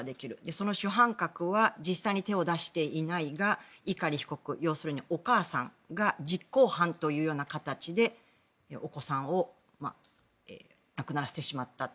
その主犯格は実際に手を出していないが碇被告、要するにお母さんが実行犯というような形でお子さんを亡くならせてしまった。